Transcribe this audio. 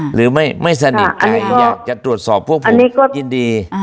หรือไม่สนิทใจอยากจะตรวจสอบพวกนี้ก็ยินดี